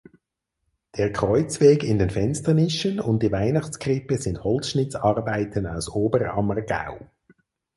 Der Kreuzweg in den Fensternischen und die Weihnachtskrippe sind Holzschnitzarbeiten aus Oberammergau.